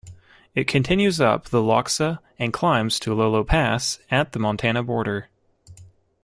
It continues up the Lochsa and climbs to Lolo Pass at the Montana border.